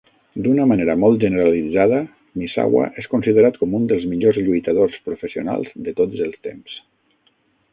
D'una manera molt generalitzada, Misawa és considerat com un dels millors lluitadors professionals de tots els temps.